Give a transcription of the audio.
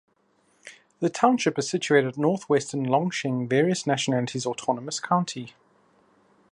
The township is situated at northwestern Longsheng Various Nationalities Autonomous County.